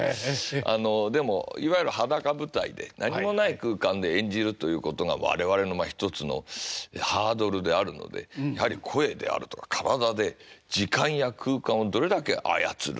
あのでもいわゆる裸舞台で何もない空間で演じるということが我々の一つのハードルであるのでやはり声であるとか体で時間や空間をどれだけ操るか。